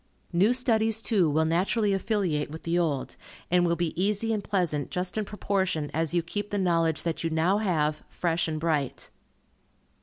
New studies, too, will naturally affiliate with the old, and will be easy and pleasant just in proportion as you keep the knowledge that you now have, fresh and bright.